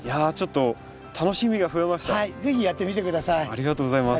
ありがとうございます。